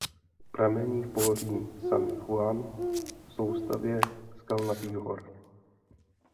Pramení v pohoří San Juan v soustavě Skalnatých hor.